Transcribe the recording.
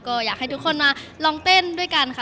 ก็อยากให้ทุกคนมาลองเต้นด้วยกันค่ะ